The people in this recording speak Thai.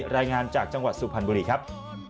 รายงานจากจังหวัดสุพรรณบุรีครับ